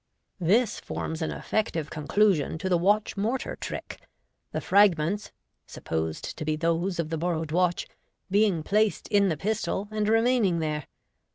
This forms an effective conclusion to the Watch Mortar Trick, the fragments (supposed to be those of the borrowed watch) btjing placed in the pistol, and remaining there.